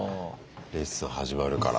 レッスン始まるから。